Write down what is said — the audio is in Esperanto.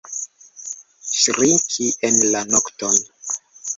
Ŝriki en la nokton!